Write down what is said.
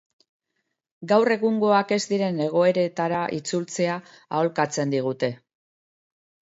Gaur egungoak ez diren egoeretara itzultzea aholkatzen digute.